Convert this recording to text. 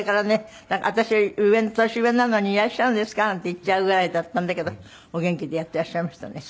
「私より年上なのにいらっしゃるんですか」なんて言っちゃうぐらいだったんだけどお元気でやっていらっしゃいましたね。